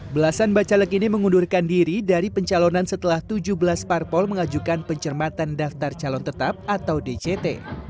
belasan bacalek ini mengundurkan diri dari pencalonan setelah tujuh belas parpol mengajukan pencermatan daftar calon tetap atau dct